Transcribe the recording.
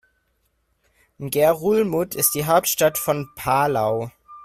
Ngerulmud ist die Hauptstadt von Palau.